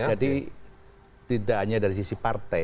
jadi tidak hanya dari sisi partai